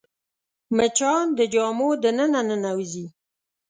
مچان د جامو دننه ننوځي